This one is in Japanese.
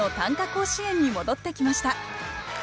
甲子園に戻ってきました。